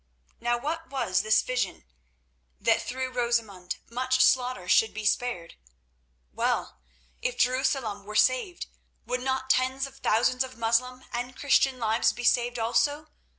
Now what was this vision? That through Rosamund much slaughter should be spared. Well, if Jerusalem were saved, would not tens of thousands of Moslem and Christian lives be saved also?